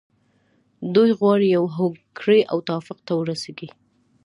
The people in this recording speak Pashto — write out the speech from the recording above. دوی غواړي یوې هوکړې او توافق ته ورسیږي.